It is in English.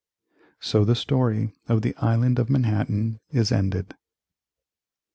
So the story of the Island of Manhattan is ended.